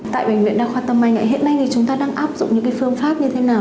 tại bệnh viện đa khoa tâm anh hiện nay thì chúng ta đang áp dụng những cái phương pháp như thế nào